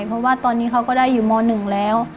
เพราะว่าตอนนี้เขาก็ได้อยู่ม๑แล้ว